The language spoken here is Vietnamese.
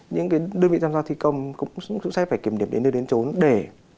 những cái đơn vị tham gia thi công cũng sẽ phải kiểm điểm đến nơi đến chốn để